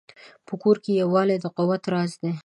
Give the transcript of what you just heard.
په کور کې یووالی د قوت راز دی.